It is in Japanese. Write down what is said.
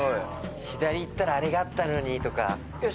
左行ったらあれがあったのにとか。